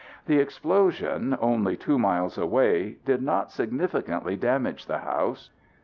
The explosion, only two miles away, did not significantly damage the house.